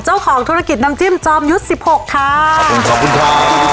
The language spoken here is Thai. เจ้าของธุรกิจน้ำจิ้มจอมยุทธ์สิบหกค่ะขอบคุณครับ